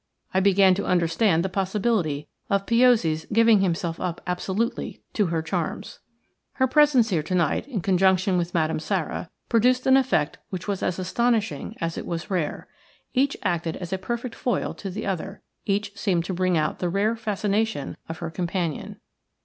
I began to understand the possibility of Piozzi's giving himself up absolutely to her charms. Her presence here to night, in conjunction with Madame Sara, produced an effect which was as astonishing as it was rare. Each acted as a perfect foil to the other, each seemed to bring out the rare fascination of her companion.